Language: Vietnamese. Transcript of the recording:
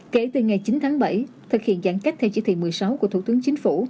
kể từ ngày chín tháng bảy thực hiện giãn cách theo chỉ thị một mươi sáu của thủ tướng chính phủ